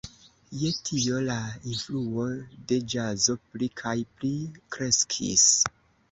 Je tio la influo de ĵazo pli kaj pli kreskis.